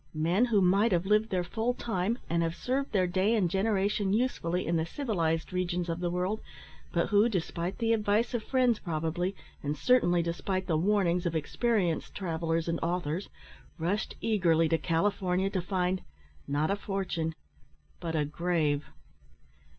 Men who might have lived their full time, and have served their day and generation usefully in the civilised regions of the world, but who, despite the advice of friends, probably, and certainly despite the warnings of experienced travellers and authors, rushed eagerly to California to find, not a fortune, but a grave.